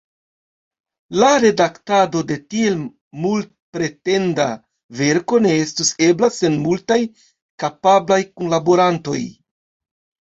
La redaktado de tiel multpretenda verko ne estus ebla sen multaj kapablaj kunlaborantoj.